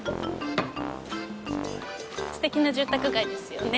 すてきな住宅街ですよね